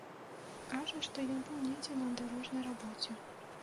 Кажа, што ён быў недзе на дарожнай рабоце.